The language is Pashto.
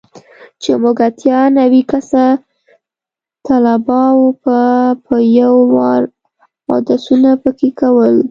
چې موږ اتيا نوي کسه طلباو به په يو وار اودسونه پکښې کول.